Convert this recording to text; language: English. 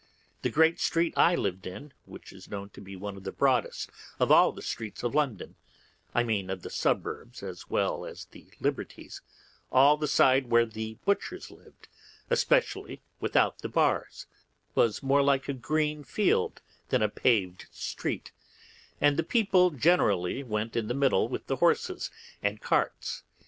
The great street I lived in (which is known to be one of the broadest of all the streets of London, I mean of the suburbs as well as the liberties) all the side where the butchers lived, especially without the bars, was more like a green field than a paved street, and the people generally went in the middle with the horses and carts.